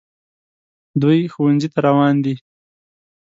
دوی ښوونځي ته روان دي